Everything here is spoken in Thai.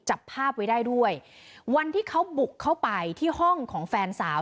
จับภาพไว้ได้ด้วยวันที่เขาบุกเข้าไปที่ห้องของแฟนสาว